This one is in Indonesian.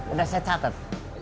udah saya catat